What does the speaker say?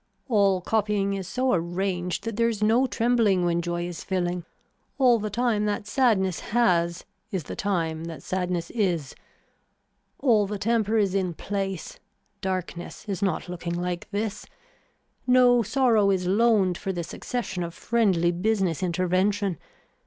All copying is so arranged that there is no trembling when joy is filling. All the time that sadness has is the time that sadness is. All the temper is in place, darkness is not looking like this. No sorrow is loaned for the succession of friendly business intervention.